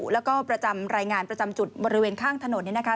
แล้วก็ประจำรายงานประจำจุดบริเวณข้างถนน